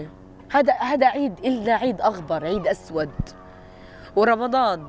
kita tidak ada kebenaran